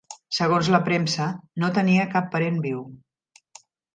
Segons la premsa, no tenia cap parent viu.